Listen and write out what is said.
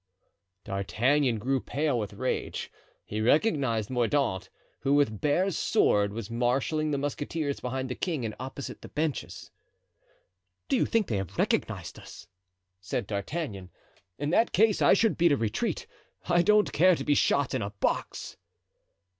D'Artagnan grew pale with rage. He recognized Mordaunt, who with bare sword was marshalling the musketeers behind the king and opposite the benches. "Do you think they have recognized us?" said D'Artagnan. "In that case I should beat a retreat. I don't care to be shot in a box."